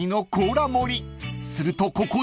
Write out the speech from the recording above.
［するとここで］